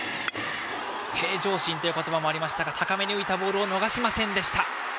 平常心という言葉もありましたが高めに浮いたボールを逃しませんでした。